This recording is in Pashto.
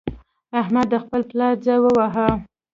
احمد د خپل پلار ځای وواهه.